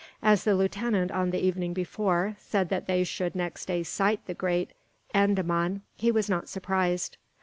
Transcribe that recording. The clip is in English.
As the lieutenant, on the evening before, said that they should next day sight the Great Andaman, he was not surprised.